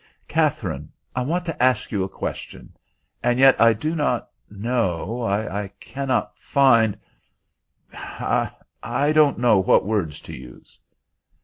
Katherine, I want to ask you a question, and yet I do not know—I cannot find—I—I don't know what words to use."